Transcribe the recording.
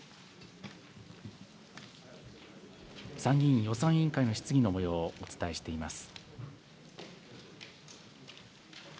参議院予算委員会の質疑のもようをお伝えしています。